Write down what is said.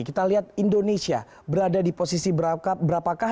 kita lihat indonesia berada di posisi berapakah